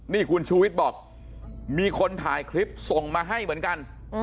นี่คุณชูวิทย์บอกมีคนถ่ายคลิปส่งมาให้เหมือนกัน